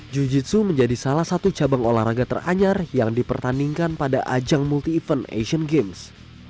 jiu jitsu menjadi salah satu cabang olahraga teranyar yang dipertandingkan pada ajang multi event asian games